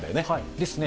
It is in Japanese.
ですね。